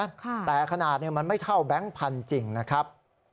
แต่ขนาดเนี้ยมันไม่เท่าแบงค์พันธุ์จริงนะครับ